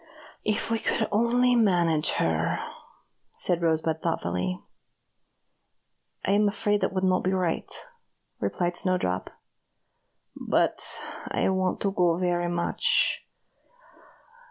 If we could only manage her," said Rosebud, thoughtfully. "I am afraid it would not be right," replied Snowdrop, "but I want to go very much.